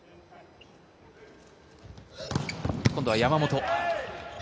今度は山本。